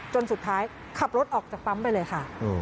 จนสุดท้ายขับรถออกจากปั๊มไปเลยค่ะ